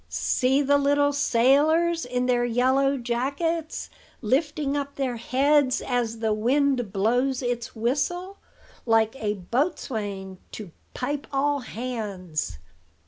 See the little sailors, in their yellow jackets, lifting up their heads as the wind blows its whistle, like a boatswain, to 'pipe all hands.'"